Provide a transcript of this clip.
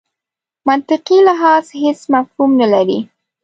منطقي لحاظ هېڅ مفهوم نه لري.